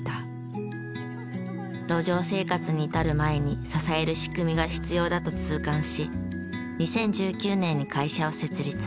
路上生活に至る前に支える仕組みが必要だと痛感し２０１９年に会社を設立。